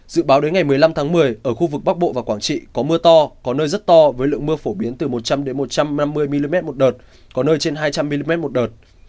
dự báo đến ngày một mươi năm tháng một mươi ở khu vực bắc bộ và quảng trị có mưa to có nơi rất to với lượng mưa phổ biến từ một trăm linh một trăm năm mươi mm một đợt có nơi trên hai trăm linh mm một đợt